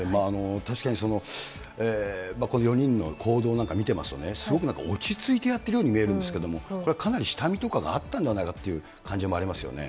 確かにこの４人の行動なんか見てますとね、すごくなんか落ち着いてやっているように見えるんですけど、これはかなり下見とかがあったんではないかという感じもあります